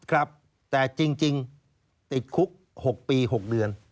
ครับแต่จริงติดคุก๖ปี๖เดือน